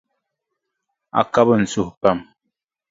A kabi n suhu pam.